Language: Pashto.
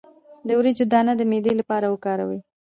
د وریجو دانه د معدې لپاره وکاروئ